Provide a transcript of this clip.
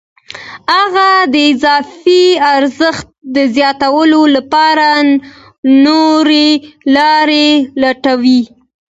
هغه د اضافي ارزښت د زیاتولو لپاره نورې لارې لټوي